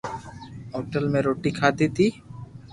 ھوٽل مي روِٽي کاڌي تي